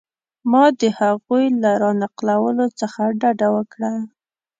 ما د هغوی له را نقلولو څخه ډډه وکړه.